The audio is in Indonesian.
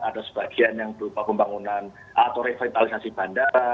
ada sebagian yang berupa pembangunan atau revitalisasi bandara